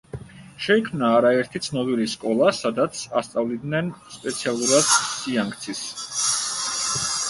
შეიქმნა არაერთი ცნობილი სკოლა, სადაც ასწავლიდნენ სპეციალურად სიანგცის.